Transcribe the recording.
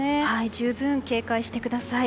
十分警戒してください。